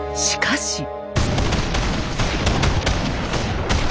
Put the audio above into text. しかし。